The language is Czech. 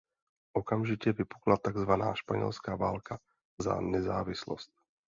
Okamžitě vypukla takzvaná Španělská válka za nezávislost.